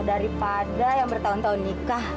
daripada yang bertahun tahun nikah